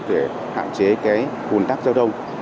để hạn chế hùn tắc giao thông